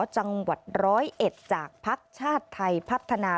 จังหวัดร้อยเอ็ดจากภักดิ์ชาติไทยพัฒนา